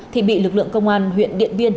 thì bị lực lượng công an huyện điện biên